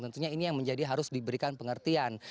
tentunya ini yang menjadi harus diberikan pengertian